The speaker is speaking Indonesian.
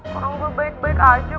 ngomong gue baik baik aja